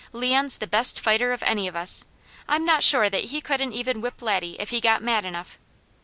Leon's the best fighter of any of us. I'm not sure that he couldn't even whip Laddie, if he got mad enough!